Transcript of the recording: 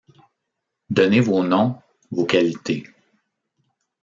Donnez vos noms, vos qualités...